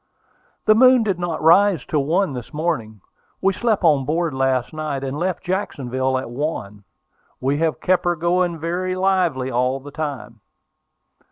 "The moon did not rise till one this morning. We slept on board last night, and left Jacksonville at one. We have kept her going very lively all the time."